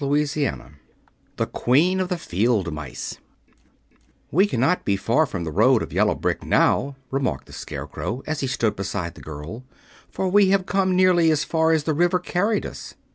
Chapter IX The Queen of the Field Mice "We cannot be far from the road of yellow brick, now," remarked the Scarecrow, as he stood beside the girl, "for we have come nearly as far as the river carried us away."